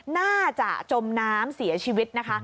น่าจะจมน้ำเสียชีวิตนะคะ